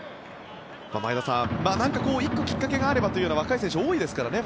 前田さん、何か１個きっかけがあればという若い選手が多いですからね。